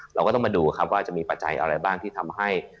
เราก็ต้องมาดูครับว่าจะมีปัจจัยอะไรบ้างที่ทำให้